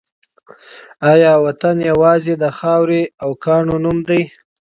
آیا وطن یوازې د خاورې او کاڼو نوم دی؟